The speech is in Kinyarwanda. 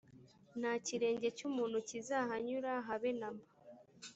nta kirenge cy’ umuntu kizahanyura habe namba.